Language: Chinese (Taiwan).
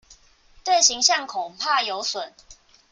對形象恐怕有損